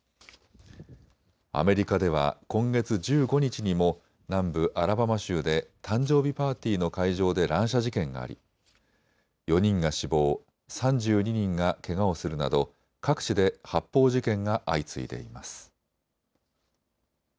アメリカでは今月１５日にも南部アラバマ州で誕生日パーティーの会場で乱射事件があり４人が死亡、３２人がけがをするなど各地で発砲事件が相次いでいます。